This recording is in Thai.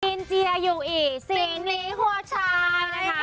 จีนเจียอยู่อี๋สิงหลีหัวชาย